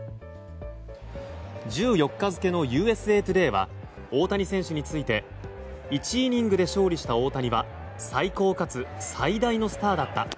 １４日付のＵＳＡトゥデイは大谷選手について１イニングで勝利した大谷は最高かつ最大のスターだった。